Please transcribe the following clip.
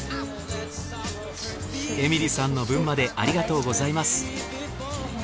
エミリさんの分までありがとうございます。